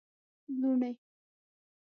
لوڼی